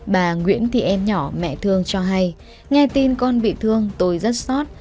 bà nguyễn thị em nhỏ mẹ thương cho hay nghe tin con bị thương tôi rất xót